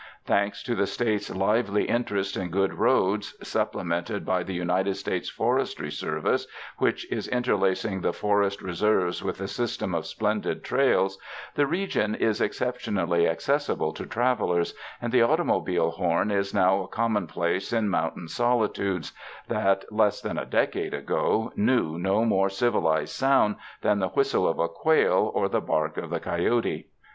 Thanks to the State's lively interest in good roads, supple mented by the United States Forestry Service, which is interlacing the forest reserves with a system of splendid trails, the region is exceptionally accessible to travelers, and the automobile horn is now a com monplace in mountain solitudes that, less than a de cade ago, knew no more civilized sound than the whistle of quail or the bark of the coyote.